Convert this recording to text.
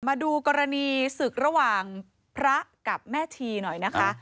มาดูกรณีศึกระหว่างพระกับแม่ชีหน่อยนะคะ